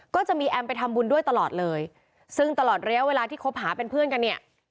ก็จะมีแอมไปทำบุญด้วยตลอดเลยซึ่งตลอดระยะเวลาที่คบหาเป็นเพื่อนกันเนี่ย